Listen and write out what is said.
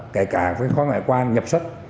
kể cả với các ngoại quan nhập xuất